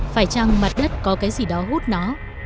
phải chăng mặt đất có cái gì đó hút nó